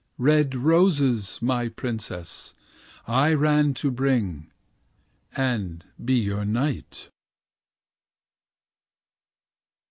"Red roses, my princess, I ran to bring. And be your knight."